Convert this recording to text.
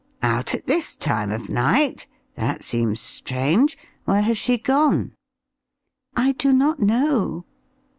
"Out at this time of night! that seems strange. Where has she gone?" "I do not know."